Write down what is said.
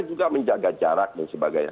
juga menjaga jarak dan sebagainya